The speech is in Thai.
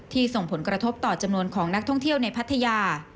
ส่งผลกระทบต่อจำนวนของนักท่องเที่ยวในพัทยา